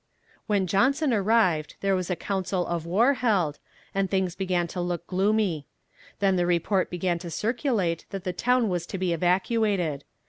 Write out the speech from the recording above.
When Johnson arrived there was a council of war held, and things began to look gloomy. Then the report began to circulate that the town was to be evacuated.